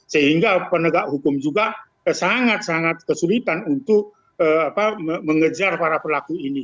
sehingga penegak hukum juga sangat sangat kesulitan untuk mengejar para pelaku ini